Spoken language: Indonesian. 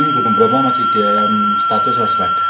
gunung brahma masih dalam status asap